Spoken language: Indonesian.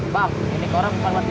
bang ini korang paling berharga aja